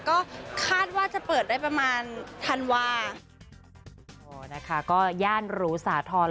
ก็คาดว่าจะเปิดได้ประมาณทันวาส